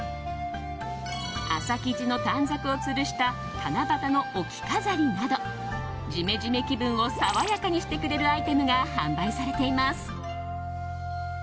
麻生地の短冊をつるした七夕の置き飾りなどジメジメ気分を爽やかにしてくれるアイテムが販売されています。